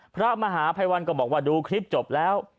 พระมหาภัยวันก็บอกว่าดูคลิปจบแล้ว